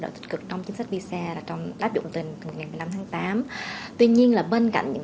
đổi tích cực trong chính sách visa trong áp dụng từ năm hai nghìn một mươi năm tháng tám tuy nhiên là bên cạnh những